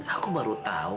aku baru tau